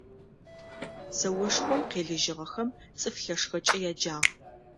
Зэошхом къелыжьыгъэхэм «Цӏыф лъэшхэкӏэ» яджагъ.